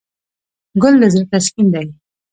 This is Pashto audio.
ګل د زړه تسکین دی.